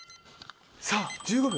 さぁ１５秒。